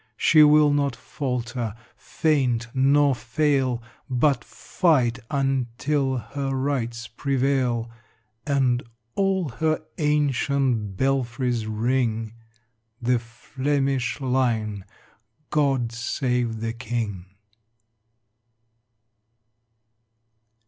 She will not falter, faint, nor fail, But fight until her rights prevail And all her ancient belfries ring "The Flemish Lion," "God Save the King!"